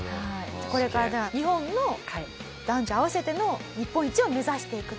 これからじゃあ日本の男女合わせての日本一を目指していくと？